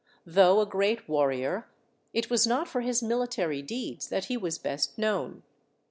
Though a great warrior, it was not for his military deeds that he was best known.